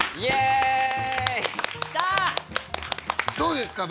どうですか？